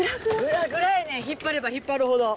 ぐらぐらやねん、引っ張れば引っ張るほど。